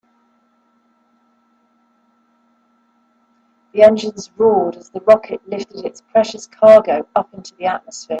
The engines roared as the rocket lifted its precious cargo up into the atmosphere.